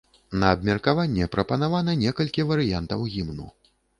На абмеркаванне прапанавана некалькі варыянтаў гімну.